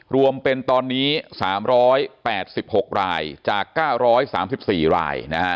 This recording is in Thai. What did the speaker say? รวมเป็นตอนนี้๓๘๖รายจาก๙๓๔ราย